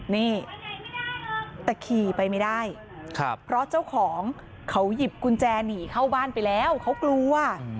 นี่แต่ขี่ไปไม่ได้เพราะเจ้าของเขาหยิบกุญแจหนีเข้าบ้านไปแล้วเขากลัว